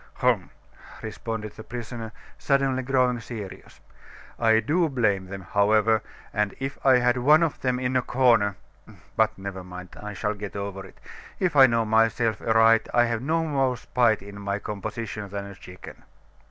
"Hum!" responded the prisoner, suddenly growing serious. "I do blame them, however, and if I had one of them in a corner But, never mind, I shall get over it. If I know myself aright, I have no more spite in my composition than a chicken."